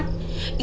ini cuma uangnya